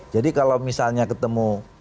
jadi kalau misalnya ketemu